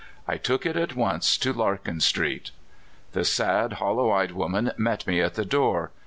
I took it at once to Larkin street. The sad, hollow eyed woman met me at the door.